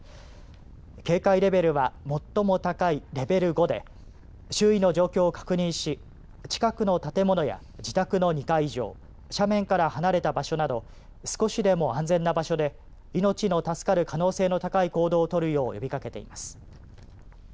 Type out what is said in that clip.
警戒レベルは最も高いレベル５で周囲の状況を確認し近くの建物や自宅の２階以上斜面から離れた場所など少しでも安全な場所で命の助かる可能性の高い行動を取るよう呼びかけています。